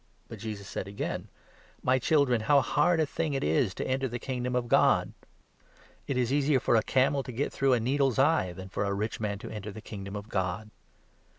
But Jesus said 24 again : "My children, how hard a thing it is to enter the Kingdom of God ! It is easier for a camel to get through 25 a needle's eye, than for a rich man to enter the Kingdom of God."